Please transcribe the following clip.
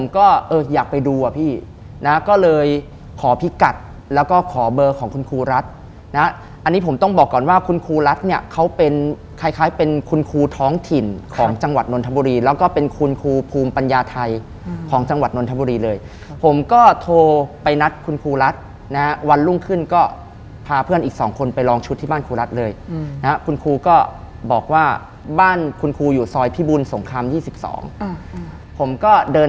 ขอพิกัดแล้วก็ขอเบอร์ของคุณครูรัฐนะอันนี้ผมต้องบอกก่อนว่าคุณครูรัฐเนี่ยเขาเป็นคล้ายเป็นคุณครูท้องถิ่นของจังหวัดนนทบุรีแล้วก็เป็นคุณครูภูมิปัญญาไทยของจังหวัดนนทบุรีเลยผมก็โทรไปนัดคุณครูรัฐนะวันรุ่งขึ้นก็พาเพื่อนอีก๒คนไปลองชุดที่บ้านครูรัฐเลยนะคุณครูก็บอกว่าบ้านคุณ